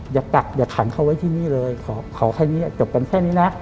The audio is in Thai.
กักอย่าขังเขาไว้ที่นี่เลยขอแค่นี้จบกันแค่นี้นะ